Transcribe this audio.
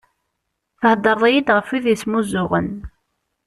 Theddreḍ-iyi-d ɣef wid yesmuzzuɣen.